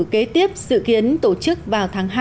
kế tiếp dự kiến tổ chức vào tháng hai